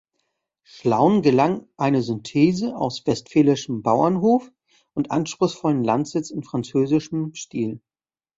Schlaun gelang eine Synthese aus westfälischem Bauernhof und anspruchsvollem Landsitz in französischem Stil.